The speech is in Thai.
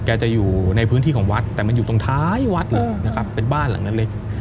แกจะอยู่ในพื้นที่ของวัดแต่มันอยู่ตรงท้ายวัดเลยนะครับเป็นบ้านหลังนั้นเล็ก